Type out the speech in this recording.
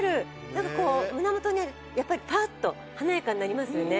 なんかこう胸元にあるやっぱりパーッと華やかになりますよね。